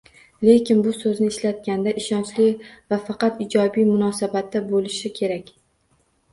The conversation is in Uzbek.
Lekin bu so'zni ishlatganda ishonchli va faqat ijobiy munosabatda bo'lishi kerak